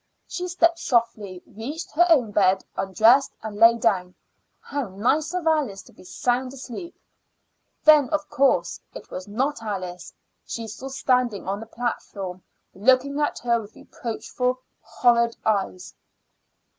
She stepped softly, reached her own bed, undressed, and lay down. How nice of Alice to be sound asleep! Then of course it was not Alice she saw standing on the platform looking at her with reproachful, horrified eyes.